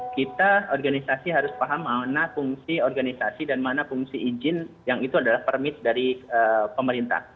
kita organisasi harus paham mana fungsi organisasi dan mana fungsi izin yang itu adalah permit dari pemerintah